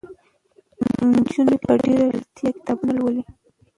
نجونې په ډېره لېوالتیا کتابونه لولي.